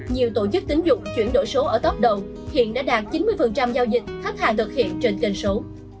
nhiều tổ chức tính dụng chuyển đổi số ở tóc đầu hiện đã đạt chín mươi giao dịch khách hàng thực hiện trên kênh số